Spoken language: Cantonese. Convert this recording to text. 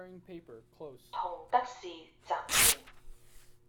同得仕（集團）